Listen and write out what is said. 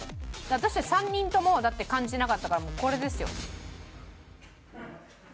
私たち３人ともだって感じてなかったからこれですよ。